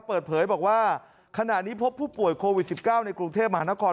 เปิดเผยบอกว่าขณะนี้พบผู้ป่วยโควิด๑๙ในกรุงเทพมหานคร